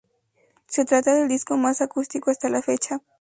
Se trata del disco más acústico hasta la fecha.